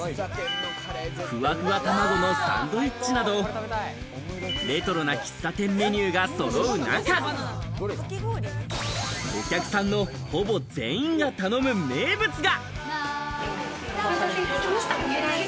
ふわふわ卵のサンドイッチなどレトロな喫茶店メニューがそろう中、お客さんの、ほぼ全員が頼む名物が。